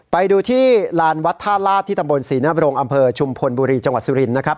ไปดูที่ลานวัดท่าลาศที่ตำบลศรีนบรงอำเภอชุมพลบุรีจังหวัดสุรินทร์นะครับ